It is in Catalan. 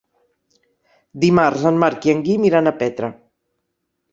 Dimarts en Marc i en Guim iran a Petra.